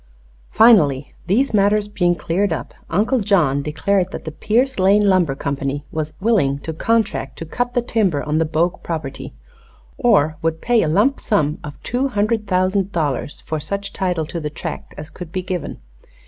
Finally, these matters being cleared up, Uncle John declared that the Pierce Lane Lumber Company was willing to contract to cut the timber on the Bogue property, or would pay a lump sum of two hundred thousand dollars for such title to the tract as could be given.